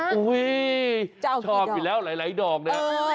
สีชอบอยู่แล้วหลายดอกนั้น